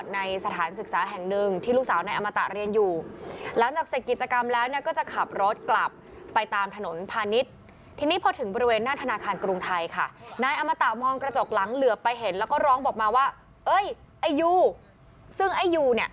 ในสถานศึกษาแห่งหนึ่งที่ลูกสาวนายอมตะเรียนอยู่